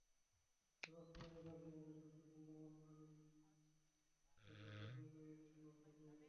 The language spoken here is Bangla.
এবার কোহলি তাঁর জীবনের সবচেয়ে মূল্যবান নারীর সঙ্গে পরিচয় করিয়ে দিলেন ভক্তদের।